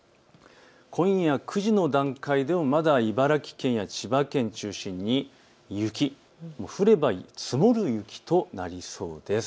今夜９時の段階でもまだ茨城県や千葉県を中心に雪、降れば積もる雪となりそうです。